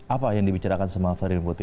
apa yang dibicarakan sama vladimir putin